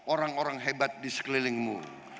orang orang hebat di sekelilingmu